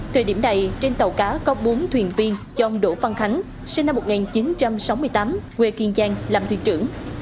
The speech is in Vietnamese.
thời điểm này trên tàu cá có bốn thuyền viên do ông đỗ văn khánh sinh năm một nghìn chín trăm sáu mươi tám quê kiên giang làm thuyền trưởng